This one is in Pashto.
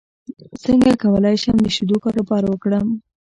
څنګه کولی شم د شیدو کاروبار وکړم